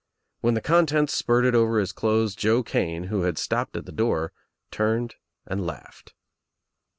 When the contents spurted over his clothes, Joe Kane, who had stopped at the door, turned and laughed.